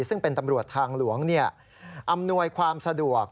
ซึ่งเป็นตำรวจทางหลวงอำนวยความสะดวก